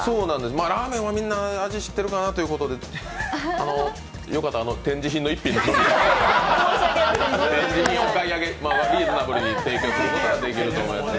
ラーメンはみんな味知ってるかなということで、よかったら展示品をお買い上げ、リーズナブルに提供することができると思いますが。